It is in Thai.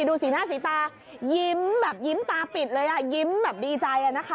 ดูสิหน้าสีตาย็ยิ้มตาปิดเลยยิ้มแบบดีใจ